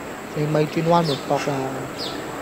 你咪轉彎抹角喇